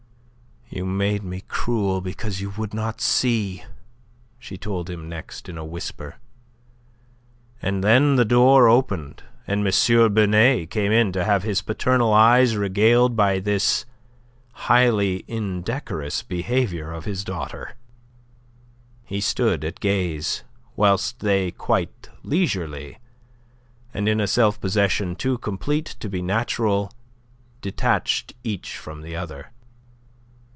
"You made me cruel because you would not see," she told him next in a whisper. And then the door opened, and M. Binet came in to have his paternal eyes regaled by this highly indecorous behaviour of his daughter. He stood at gaze, whilst they quite leisurely, and in a self possession too complete to be natural, detached each from the other.